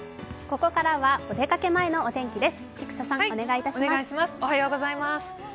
ここからはお出かけ前のお天気です。